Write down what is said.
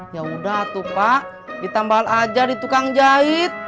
yaudah atuh pak ditambal aja di tukang jahit